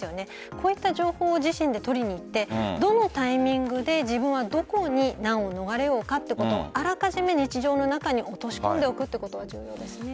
こういった情報を自身で取りにいってどのタイミングで自分はどこに難を逃れるかということをあらかじめ日常の中に落とし込んでおくということが重要です。